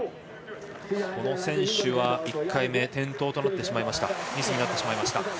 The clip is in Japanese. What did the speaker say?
この選手は１回目転倒となってしまいました。